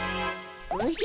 おじゃ？